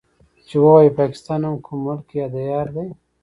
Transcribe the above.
چې ووايي پاکستان هم کوم ملک يا ديار دی.